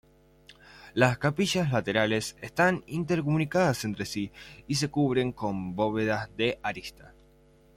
Las capillas laterales están intercomunicadas entre sí y se cubren con bóvedas de arista.